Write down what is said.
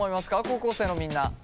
高校生のみんな。